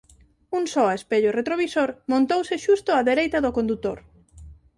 Un só espello retrovisor montouse xusto a dereita do condutor.